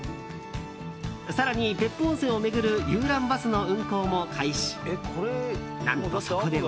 更に、別府温泉を巡る遊覧バスの運行も開始。